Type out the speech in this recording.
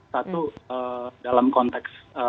satu dalam konteks